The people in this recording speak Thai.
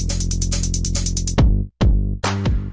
สวัสดีครับ